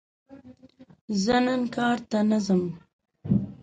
زه نن کار ته نه ځم!